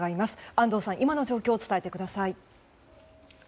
安藤さん、今の状況を伝えてください。